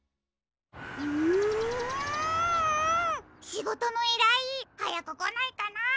しごとのいらいはやくこないかな。